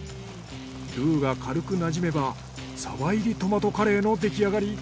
ルーが軽くなじめば鯖入りトマトカレーの出来上がり。